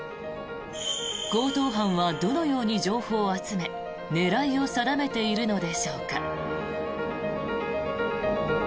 強盗犯はどのように情報を集め狙いを定めているのでしょうか。